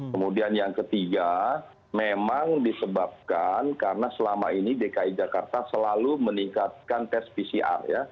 kemudian yang ketiga memang disebabkan karena selama ini dki jakarta selalu meningkatkan tes pcr ya